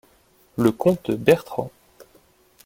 le comte Bertrand.